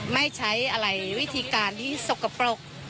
ไม่ใช้อะไรวิธีการที่สกปรก